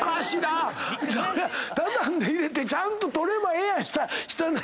畳んで入れてちゃんと取ればええやん。